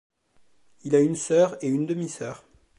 Il a une sœur et une demie-sœur.